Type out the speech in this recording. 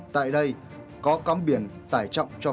tại đây có cắm biển tải trọng cho phóng